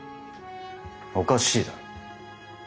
おかしいだろ。